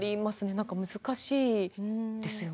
何か難しいですよね。